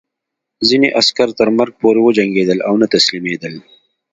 ځینې عسکر تر مرګ پورې جنګېدل او نه تسلیمېدل